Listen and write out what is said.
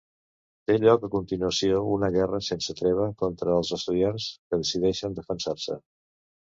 Té lloc a continuació una guerra sense treva contra els estudiants que decideixen defensar-se.